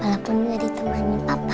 walaupun ngeri temannya papa